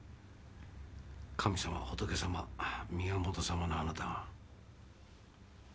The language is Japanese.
神様仏様宮元様のあなたが。